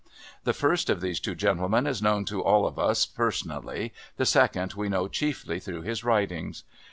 The first of these two gentlemen is known to all of us personally, the second we know chiefly through his writings.